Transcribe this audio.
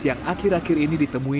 yang akhir akhir ini ditemui